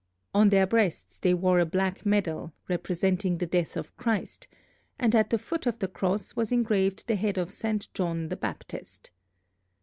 On their breasts they wore a black medal representing the death of Christ, and at the foot of the cross was engraved the head of Saint John the Baptist.